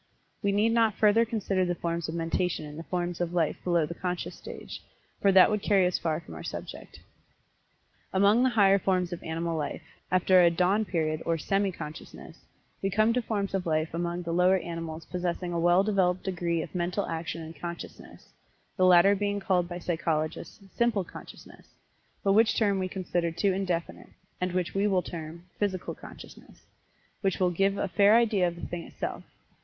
We need not further consider the forms of mentation in the forms of life below the Conscious stage, for that would carry us far from our subject. Among the higher forms of animal life, after a "dawn period" or semi consciousness, we come to forms of life among the lower animals possessing a well developed degree of mental action and Consciousness, the latter being called by psychologists "Simple Consciousness," but which term we consider too indefinite, and which we will term "Physical Consciousness," which will give a fair idea of the thing itself.